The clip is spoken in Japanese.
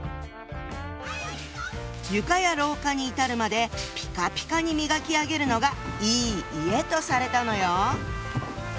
床や廊下に至るまでピカピカに磨き上げるのがいい家とされたのよ。